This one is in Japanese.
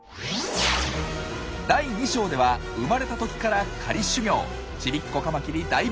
第２章では生まれた時から狩り修業。